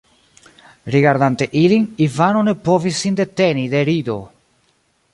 Rigardante ilin, Ivano ne povis sin deteni de rido.